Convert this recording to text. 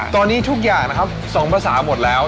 ตอนนี้ทุกอย่างนะครับ๒ภาษาหมดแล้ว